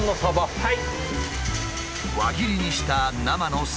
はい。